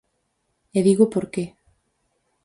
E digo por que.